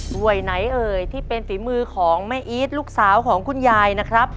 หน่วยไหนเอ่ยที่เป็นฝีมือของแม่อีทลูกสาวของคุณยายนะครับ